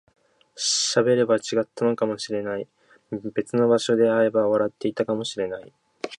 喋れば違ったのかもしれない、別の場所で会えば笑っていたかもしれない